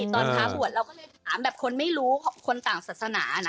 ตอนท้าบวชเราก็เลยถามแบบคนไม่รู้คนต่างศาสนานะ